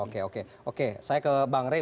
oke oke oke saya ke bang rey